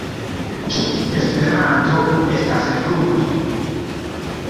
Ĉu Esperanto estas frukto?